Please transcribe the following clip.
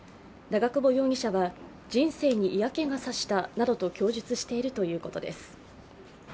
長久保容疑者は人生に嫌気がさしたなどと供述しているということです。